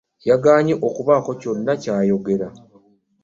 Yagaanyi okubaako kyonna ky'ayogera.